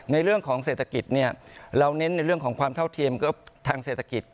ในเรื่องของเศรษฐกิจเนี่ยเราเน้นในเรื่องของความเท่าเทียมทางเศรษฐกิจ